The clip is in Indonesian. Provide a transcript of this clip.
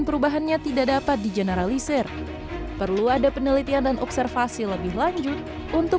perubahannya tidak dapat dijeneralisir perlu ada penelitian dan observasi lebih lanjut untuk